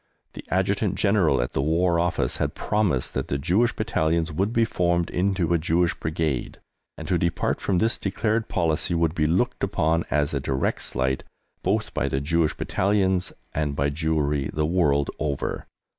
The Adjutant General at the War Office had promised that the Jewish Battalions would be formed into a Jewish Brigade, and to depart from this declared policy would be looked upon as a direct slight, both by the Jewish Battalions and by Jewry the world over.